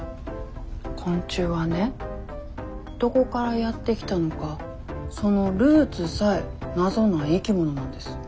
昆虫はねどこからやって来たのかそのルーツさえ謎な生き物なんです。